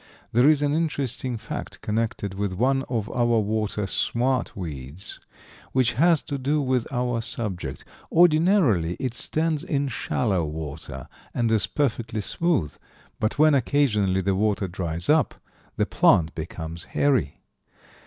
There is an interesting fact connected with one of our water smartweeds, which has to do with our subject. Ordinarily it stands in shallow water, and is perfectly smooth; but when occasionally the water dries up the plant becomes hairy.